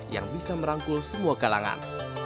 yang bisa merangkul semua kalangan